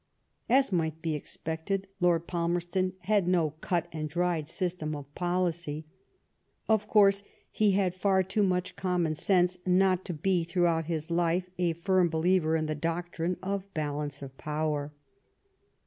As might be expected. Lord Palmerston had no cut and dried system of policy. Of course, he had far too much common sense not to be throughout his life a fijrm believer in the doctrine of balance of power.